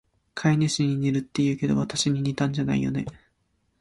飼い主に似るって言うけど、わたしに似たんじゃないよね？